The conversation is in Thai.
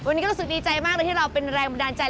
เราก็รู้สึกดีใจมากแล้วที่เราเป็นแรงบันดาลใจ